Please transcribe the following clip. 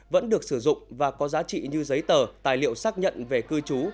vẫn được sử dụng và có giá trị như giấy tờ tài liệu xác nhận về cư trú